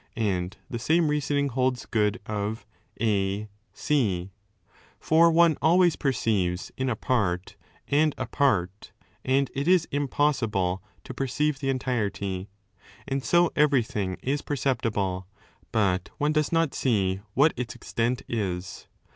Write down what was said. And 19 the same reasoning holds good of A C. For one always perceives in a part and a part, and it is impossible to perceive the entirety. And so every thing is per ceptible, bat one does not see what its extent is.